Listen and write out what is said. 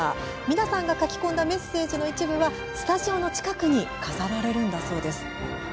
皆さんが書き込んだメッセージの一部はスタジオの近くに飾られるんだそうです。